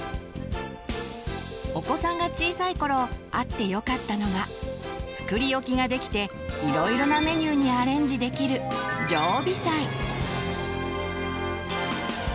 お子さんが小さい頃あってよかったのが作り置きができていろいろなメニューにアレンジできる「常備菜」。